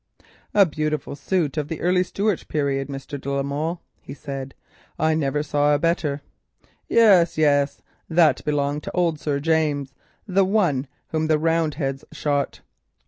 "A beautiful suit of the early Stuart period, Mr. de la Molle," he said; "I never saw a better." "Yes, yes, that belonged to old Sir James, the one whom the Roundheads shot."